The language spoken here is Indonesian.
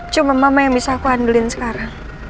cuma mama yang bisa aku ambilin sekarang